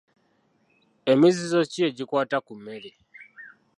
Emizizo ki egikwata ku mmere?